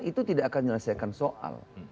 itu tidak akan menyelesaikan soal